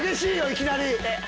いきなり。